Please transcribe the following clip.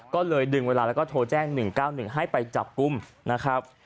ก็เลยดึงเวลาแล้วก็โทรแจ้ง๑๙๑ให้ไปจับกลุ่มนะครับ